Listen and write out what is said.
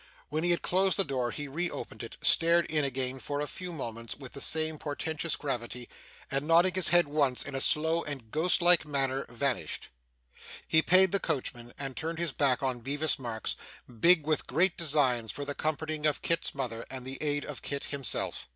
When he had closed the door, he re opened it, stared in again for a few moments with the same portentous gravity, and nodding his head once, in a slow and ghost like manner, vanished. He paid the coachman, and turned his back on Bevis Marks, big with great designs for the comforting of Kit's mother and the aid of Kit himself.